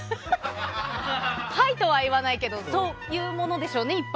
はいとは言わないけどそういうものでしょうね。